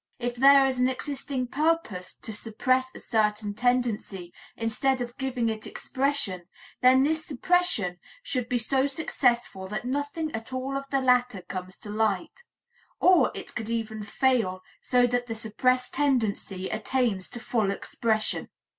If there is an existing purpose to suppress a certain tendency instead of giving it expression, then this suppression should be so successful that nothing at all of the latter comes to light; or it could even fail, so that the suppressed tendency attains to full expression.